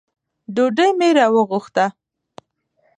ډوډۍ مي راوغوښته .